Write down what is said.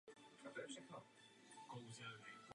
Světlo je však pouze částí spektra elektromagnetického záření.